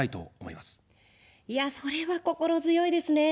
いやあ、それは心強いですね。